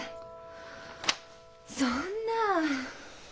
そんな。